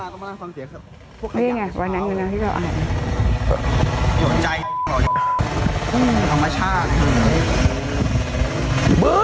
คัดเอาระบรรยากาศธรรมชาติ